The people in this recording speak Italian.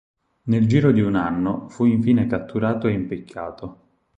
Nel giro di un anno fu infine catturato e impiccato.